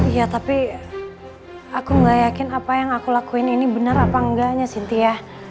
iya tapi aku gak yakin apa yang aku lakuin ini benar apa enggaknya sintia